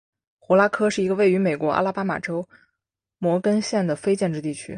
胡拉科是一个位于美国阿拉巴马州摩根县的非建制地区。